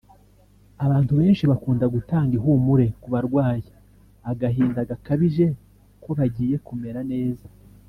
Abantu benshi bakunda gutanga ihumure ku barwaye agahinda gakabije ko bagiye kumera neza